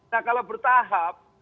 nah kalau bertahap